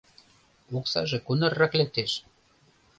— Оксаже кунаррак лектеш?